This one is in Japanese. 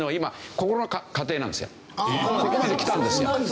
ここまで来たんですよ。